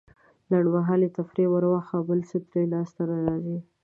لنډمهالې تفريح وراخوا بل څه ترې لاسته نه راځي.